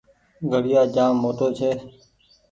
گھڙيآ جآم موٽو ڇي ۔